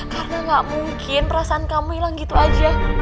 karena gak mungkin perasaan kamu hilang gitu aja